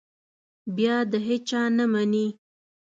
بیا د هېچا نه مني.